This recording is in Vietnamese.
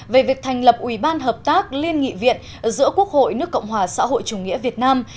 về việc thành lập ủy ban hợp tác liên nghị viện giữa quốc hội nước cộng hòa xã hội chủ nghĩa việt nam